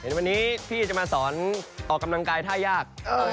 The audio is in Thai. วันนี้พี่จะมาสอนออกกำลังกายท่ายาก